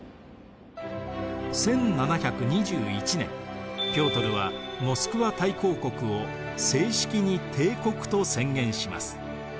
１７２１年ピョートルはモスクワ大公国を正式に帝国と宣言します。